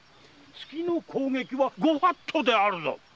「突き」の攻撃はご法度であるぞ！